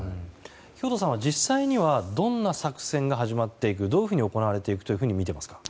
兵頭さんは実際にはどんな作戦が始まっていく、どういうふうに行われていくとみていますか？